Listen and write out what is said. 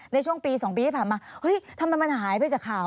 ในช่วงปี๒ปีที่ผ่านมาเฮ้ยทำไมมันหายไปจากข่าว